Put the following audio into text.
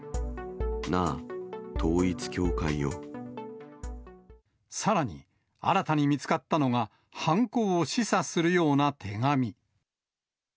なあ、さらに、新たに見つかったのが犯行を示唆するような手紙。